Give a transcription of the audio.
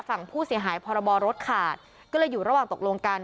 ฝั่งผู้เสียหายพรบรถขาดก็เลยอยู่ระหว่างตกลงกัน